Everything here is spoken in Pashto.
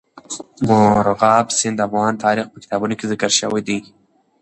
مورغاب سیند د افغان تاریخ په کتابونو کې ذکر شوی دي.